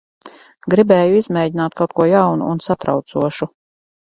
Gribēju izmēģināt kaut ko jaunu un satraucošu.